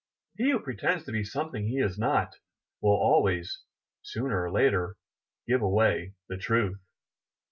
He who pretends to be some thing he is not, will always, sooner or later, give away the truth."